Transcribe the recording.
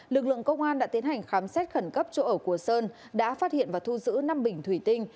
lực lượng công an đã tiến hành khám xét khẩn cấp chỗ ở của sơn đã phát hiện và thu giữ năm bình thủy tinh